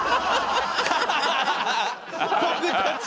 「僕たち」。